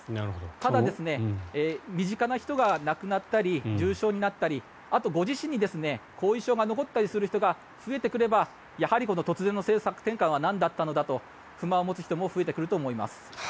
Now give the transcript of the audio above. ただ、身近な人が亡くなったり重症になったりあとご自身に後遺症が残ったりする人が増えてくればやはりこの政策転換はなんだったのだと不満を持つ人も増えてくると思います。